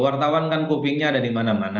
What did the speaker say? wartawan kan kupingnya ada di mana mana